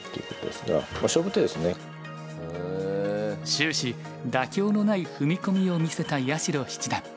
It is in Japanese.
終始妥協のない踏み込みを見せた八代七段。